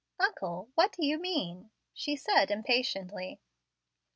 "Uncle, what do you mean?" said she, impatiently.